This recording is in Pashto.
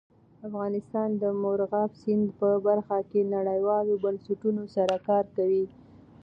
افغانستان د مورغاب سیند په برخه کې نړیوالو بنسټونو سره کار کوي.